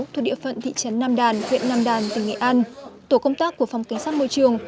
thuộc địa phận thị trấn nam đàn huyện nam đàn tỉnh nghệ an tổ công tác của phòng cảnh sát môi trường